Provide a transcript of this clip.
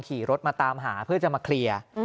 ขี่รถมาตามหาเพื่อจะมาเคลียร์